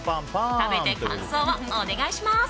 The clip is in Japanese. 食べて感想をお願いします。